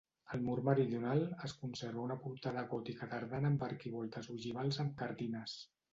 Al mur meridional es conserva una portada gòtica tardana amb arquivoltes ogivals amb cardines.